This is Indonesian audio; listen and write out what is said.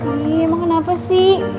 eh emang kenapa sih